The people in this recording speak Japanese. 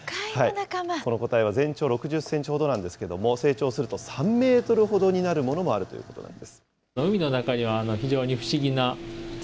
この個体は全長６０センチほどなんですけれども、成長すると３メートルほどになるものもあるということなんです。